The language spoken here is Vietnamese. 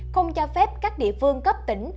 không cho phép các địa phương cấp tỉnh